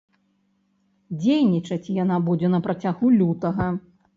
Дзейнічаць яна будзе на працягу лютага.